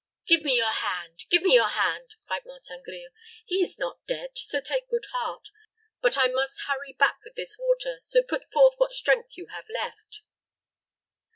"Give me your hand give me your hand," cried Martin Grille. "He is not dead; so take good heart. But I must hurry back with this water; so put forth what strength you have left."